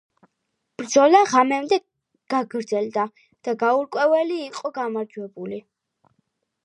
ბრძოლა ღამემდე გაგრძელდა და გაურკვეველი იყო გამარჯვებული.